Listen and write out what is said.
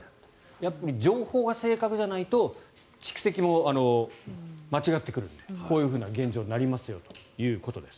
やっぱり情報が正確じゃないと蓄積も間違ってくるのでこういうふうな現状になりますよということです。